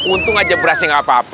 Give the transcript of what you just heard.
untung aja berasnya nggak apa apa